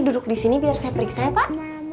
duduk disini biar saya periksa ya pak